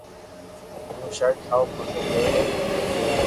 ھون ݾرٽ ٺاو پسي پيرو